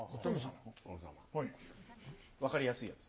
分りやすいやつ。